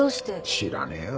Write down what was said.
知らねえよ。